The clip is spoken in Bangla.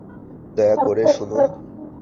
দয়া করে শুনুন!